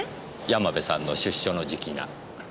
山部さんの出所の時期が。